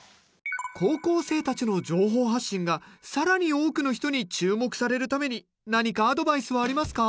高校生たちの情報発信が更に多くの人に注目されるために何かアドバイスはありますか？